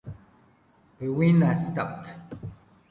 The wind has stopped.